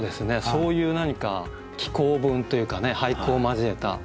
そういう何か紀行文というか俳句を交えた。